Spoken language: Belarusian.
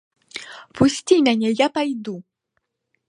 Пусці мяне, я пайду.